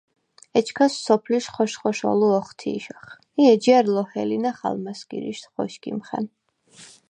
ეჩქას სოფლიშ ხოშ-ხოშოლუ ოხთიშახ ი ეჯჲა̈რ ლოჰელინახ ალმა̈სგირიშდ ღოშგიმხენ.